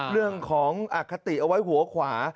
เรื่องของอคติเอาไว้หัวขวา